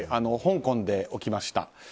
香港で起きました。